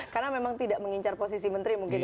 karena memang tidak mengincar posisi menteri mungkin ya